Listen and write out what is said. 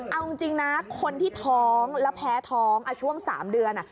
เอาจริงนะคนที่ท้องแล้วแพ้ท้องช่วง๓เดือน